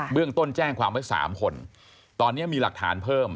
เรื่องต้นแจ้งความไว้๓คนตอนนี้มีหลักฐานเพิ่ม